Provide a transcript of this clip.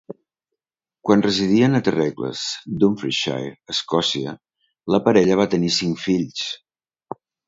Quan residien a Terregles, Dumfriesshire, Escòcia, la parella va tenir cinc fills.